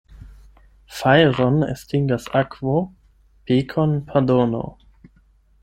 Fajron estingas akvo, pekon pardono.